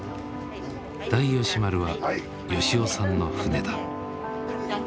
大吉丸は吉男さんの船だ。